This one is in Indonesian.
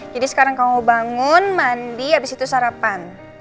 jadi sekarang kamu bangun mandi abis itu sarapan